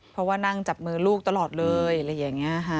เพราะว่านั่งจับมือลูกตลอดเลยอะไรอย่างนี้ค่ะ